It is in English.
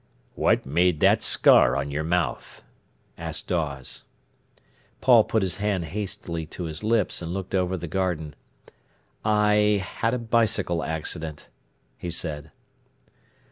"What made that scar on your mouth?" asked Dawes. Paul put his hand hastily to his lips, and looked over the garden. "I had a bicycle accident," he said.